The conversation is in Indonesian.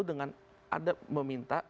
dengan adat meminta